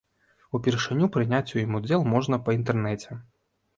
Упершыню прыняць у ім удзел можна па інтэрнэце.